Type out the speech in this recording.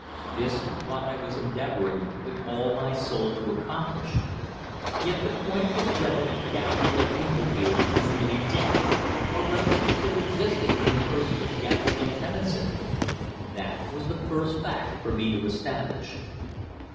This was what I was endeavouring, with all my soul, to accomplish. Yet the point was whether Gabrielle Engledue was really dead, or whether she still existed in the person of Gabrielle Tennison. That was the first fact for me to establish.